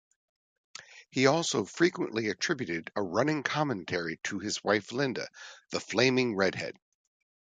He also frequently attributed a running commentary to his wife Linda, "the Flaming Redhead".